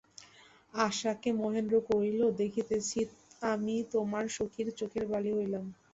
আশাকে মহেন্দ্র কহিল, দেখিতেছি, আমিই তোমার সখীর চোখের বালি হইলাম।